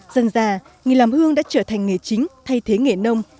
dần già nghề làm hương đã trở thành nghề chính thay thế nghề nông